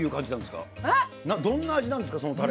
どんな味なんですか？